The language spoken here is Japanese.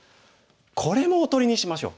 これもおとりにしましょう。